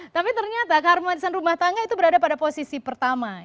tapi ternyata keharmonisan rumah tangga itu berada pada posisi pertama